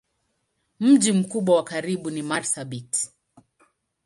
Mji mkubwa wa karibu ni Marsabit.